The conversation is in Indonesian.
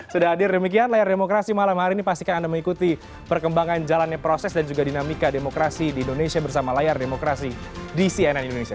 sudah hadir demikian layar demokrasi malam hari ini pastikan anda mengikuti perkembangan jalannya proses dan juga dinamika demokrasi di indonesia bersama layar demokrasi di cnn indonesia